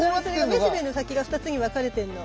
めしべの先が二つに分かれてんの。